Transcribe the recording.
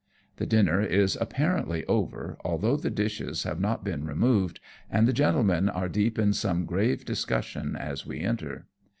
The dinner is apparently over, although the dishes have not been removed, and the gentlemen are deep in some grave discussion as we enter.